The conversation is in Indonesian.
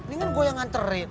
ini kan gue yang ngantri